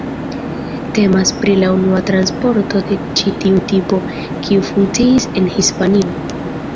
Temas pri la unua transporto de ĉi tiu tipo, kiu funkciis en Hispanio.